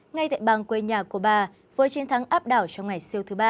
ngay tại bang quê nhà của bà với chiến thắng áp đảo trong ngày siêu thứ ba